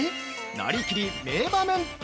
なりきり名場面展。